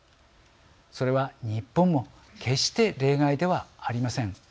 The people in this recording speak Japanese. それは日本も決して例外ではありません。